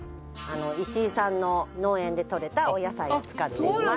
石井さんの農園で取れたお野菜を使っています。